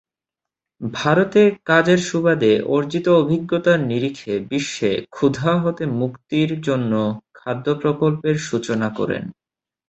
ভারতে কাজের সুবাদে অর্জিত অভিজ্ঞতার নিরিখে বিশ্বে "ক্ষুধা হতে মুক্তির" জন্য খাদ্য প্রকল্পের সূচনা করেন।